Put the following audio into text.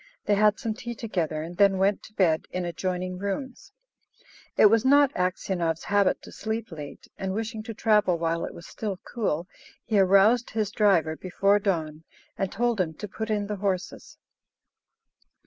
They had some tea together, and then went to bed in adjoining rooms. It was not Aksionov's habit to sleep late, and, wishing to travel while it was still cool, he aroused his driver before dawn, and told him to put in the horses.